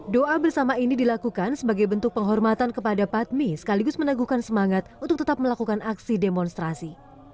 doa bersama ini dilakukan sebagai bentuk penghormatan kepada patmi sekaligus meneguhkan semangat untuk tetap melakukan aksi demonstrasi